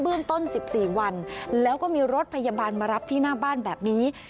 ต้น๑๔วันแล้วก็มีรถพยาบาลมารับที่หน้าบ้านแบบนี้